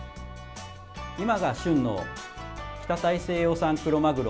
今が旬の北大西洋産クロマグロ。